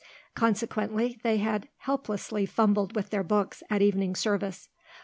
Consequently they had helplessly fumbled with their books at evening service.